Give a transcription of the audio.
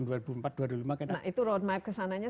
nah itu road map kesananya